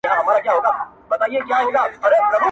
ته خوږمن او زه خواخوږی خدای پیدا کړم،